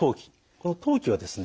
この当帰はですね